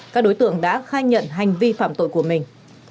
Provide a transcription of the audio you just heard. các đối tượng đã khai nhận hành vi phạm tội của mình